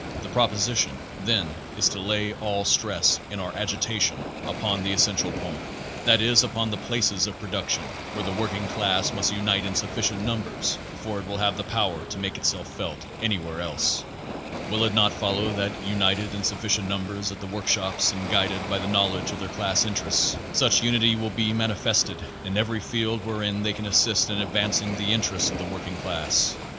The proposition, then, is to lay all stress in our agitation upon the essential point, that is upon the places of production, where the working class must unite in sufficient numbers before it will have the power to make itself felt anywhere else. Will it not follow that, united in sufficient numbers at the workshops and guided by the knowledge of their class interests, such unity will be manifested in every field wherein they can assist in advancing the interest of the working class